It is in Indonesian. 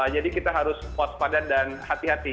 jadi kita harus waspada dan hati hati